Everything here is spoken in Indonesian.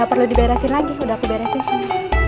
gak perlu diberesin lagi udah aku beresin sih